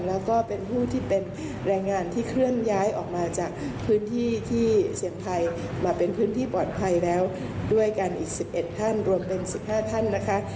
แล้วก็เป็นผู้ที่เป็นแรงงานที่เคลื่อนย้ายออกมาจากพื้นที่ที่เสี่ยงภัยมาเป็นพื้นที่ปลอดภัยแล้วด้วยกันอีก๑๑ท่านรวมเป็น๑๕ท่านนะคะ